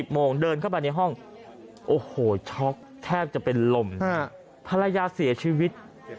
โมงเดินเข้าไปในห้องโอ้โหช็อกแทบจะเป็นลมภรรยาเสียชีวิต